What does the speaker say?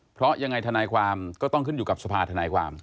เพราะยังไงทนายความก็ต้องขึ้นอยู่กับสภาธนายความ